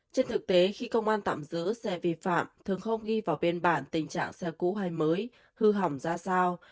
trên thực tế khi công an tạm giữ xe vi phạm thường không ghi vào bên bản tình trạng xe cũ hay mới hư hỏng ra sao